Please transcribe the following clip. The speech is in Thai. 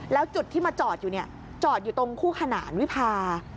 แล้วจุดที่มาจอดอยู่เนี่ยจอดอยู่ตรงคู่ขนานวิพา